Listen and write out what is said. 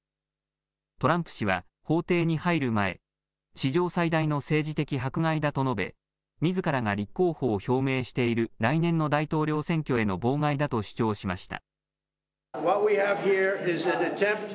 トランプ氏は法廷に入る前、史上最大の政治的迫害だと述べみずからが立候補を表明している来年の大統領選挙への妨害だと主張しました。